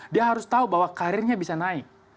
dia harus tahu bahwa karirnya bisa naik